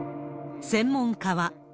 専門家は。